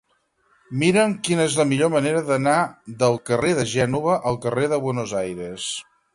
Mira'm quina és la millor manera d'anar del carrer de Gènova al carrer de Buenos Aires.